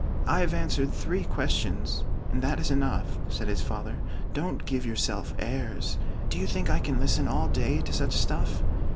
"I have answered three questions, and that is enough," Said his father; "don't give yourself airs! Do you think I can listen all day to such stuff?